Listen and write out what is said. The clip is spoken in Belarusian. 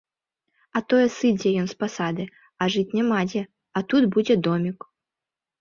А тое сыдзе ён з пасады, а жыць няма дзе, а тут будзе домік.